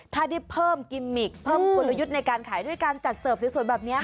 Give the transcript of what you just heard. ถ้าได้เพิ่มกิมมิกเพิ่มกลยุทธ์ในการขายด้วยการจัดเสิร์ฟสวยแบบนี้